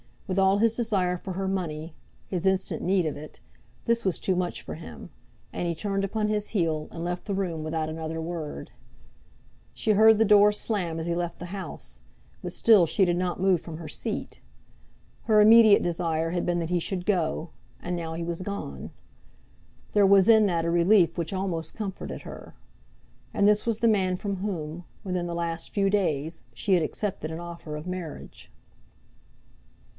With all his desire for her money, his instant need of it, this was too much for him; and he turned upon his heel, and left the room without another word. She heard his quick step as he hurried down the stairs, but she did not rise to arrest him. She heard the door slam as he left the house, but still she did not move from her seat. Her immediate desire had been that he should go, and now he was gone. There was in that a relief which almost comforted her. And this was the man from whom, within the last few days, she had accepted an offer of marriage.